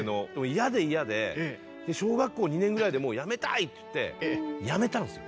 嫌で嫌で小学校２年ぐらいでもうやめたい！って言ってやめたんすよ。